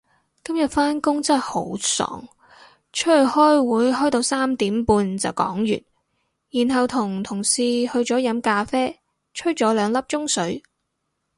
今日返工真係好爽，出去開會開到三點半就講完，然後同同事去咗飲咖啡吹咗兩粒鐘水